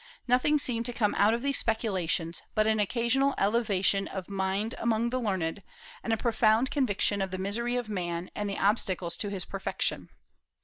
Nothing seemed to come out of these speculations but an occasional elevation of mind among the learned, and a profound conviction of the misery of man and the obstacles to his perfection.